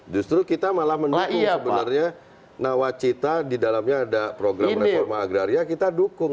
justru kita malah mendukung sebenarnya nawacita di dalamnya ada program reforma agraria kita dukung